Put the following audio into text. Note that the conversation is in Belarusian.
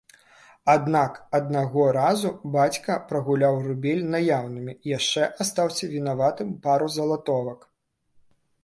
Аднак аднаго разу бацька прагуляў рубель наяўнымі, яшчэ астаўся вінаватым пару залатовак.